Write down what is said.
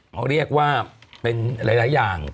เขาเรียกว่าเป็นหลายอย่าง